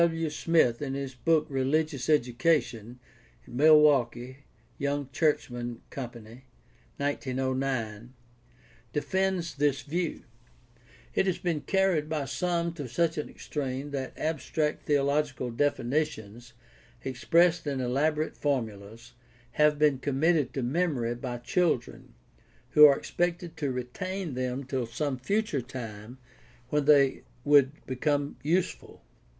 W. W. Smith, in his book Religious Education (Milwaukee: Young Churchman Co., 1909), defends this view. It has been carried by some to such an extreme that abstract theological definitions, expressed in elaborate formulas, have been committed to memory by children, who are expected to retain them till some future time when they would become useful.